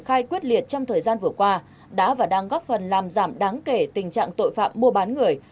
khai quyết liệt trong thời gian vừa qua đã và đang góp phần làm giảm đáng kể tình trạng tội phạm mua bán người